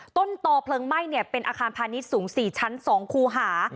ตอเพลิงไหม้เป็นอาคารพาณิชย์สูง๔ชั้น๒คูหา